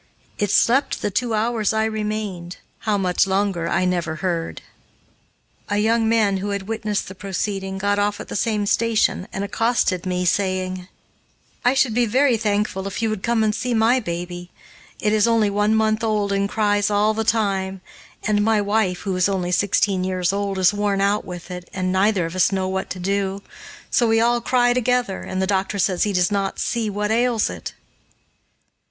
It slept the two hours I remained how much longer I never heard. A young man, who had witnessed the proceeding, got off at the same station and accosted me, saying: "I should be very thankful if you would come and see my baby. It is only one month old and cries all the time, and my wife, who is only sixteen years old, is worn out with it and neither of us know what to do, so we all cry together, and the doctor says he does not see what ails it."